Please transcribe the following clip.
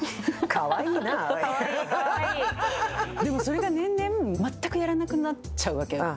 でも、それが年々、全くやらなくなっちゃうわけよ。